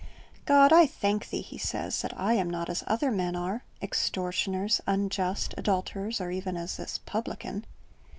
"God, I thank thee," he says, "that I am not as other men are, extortioners, unjust, adulterers, or even as this publican."